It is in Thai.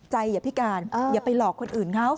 อย่าพิการอย่าไปหลอกคนอื่นเขา